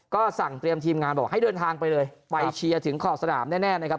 ก็สั่งเตรียมทีมงานบอกให้เดินทางไปเลยไปเชียร์ถึงขอบสนามแน่นะครับ